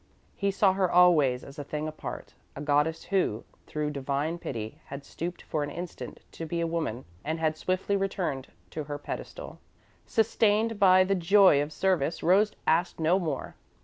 He saw her always as a thing apart; a goddess who, through divine pity, had stooped for an instant to be a woman and had swiftly returned to her pedestal. Sustained by the joy of service, Rose asked no more.